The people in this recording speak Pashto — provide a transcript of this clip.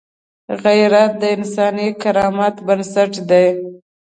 غیرت د انساني کرامت بنسټ دی